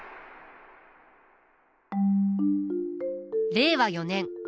令和４年。